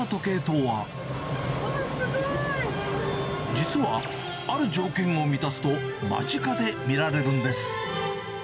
実は、ある条件を満たすと、間近で見られるんです。